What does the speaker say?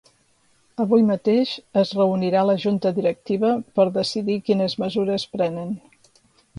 Avui mateix es reunirà la junta directiva per decidir quines mesures prenen.